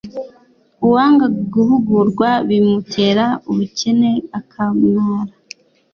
Uwanga guhugurwa bimutera ubukene akamwara